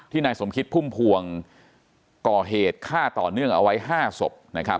นายสมคิดพุ่มพวงก่อเหตุฆ่าต่อเนื่องเอาไว้๕ศพ